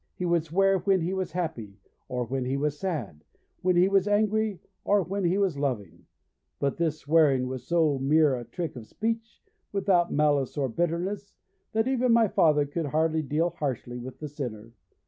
He would swear when he was happy or when he was sad, when he was angry or when he was loving, but this swearing was so mere a trick of speech, without malice or bitterness, that even my father could hardly deal harshly with the sinner.